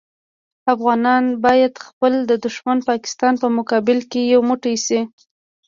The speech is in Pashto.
افغانان باید خپل د دوښمن پاکستان په مقابل کې یو موټی شي.